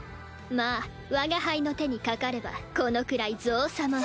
まあ我が輩の手にかかればこのくらい造作も。